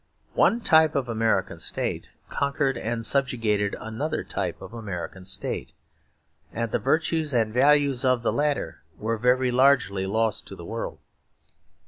One type of American state conquered and subjugated another type of American state; and the virtues and value of the latter were very largely lost to the world.